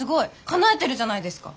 かなえてるじゃないですか。